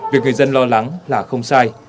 việc người dân lo lắng là không sai